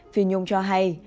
phi nhung cho hay